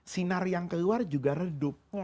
sinar yang keluar juga redup